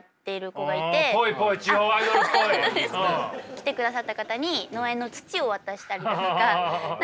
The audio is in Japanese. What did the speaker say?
来てくださった方に農園の土を渡したりだとか。